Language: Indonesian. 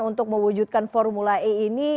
untuk mewujudkan formula e ini